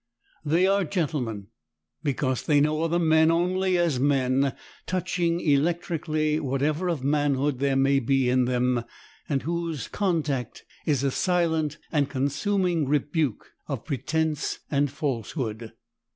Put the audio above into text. They are gentlemen, because they know other men only as men, touching electrically whatever of manhood there may be in them, and whose contact is a silent and consuming rebuke of pretence and falsehood.